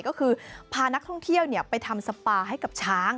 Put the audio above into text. ก็คือพานักท่องเที่ยวไปทำสปาให้กับช้าง